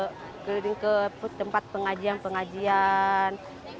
yang kayak keliling keliling dia kadang keliling ke tempat pengajian pengajian